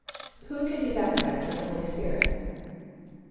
WHO CAN BE BAPTIZED WITH THE HOLY SPIRIT?